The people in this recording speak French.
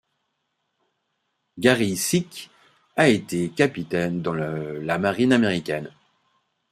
Gary Sick a été capitaine dans la Marine américaine.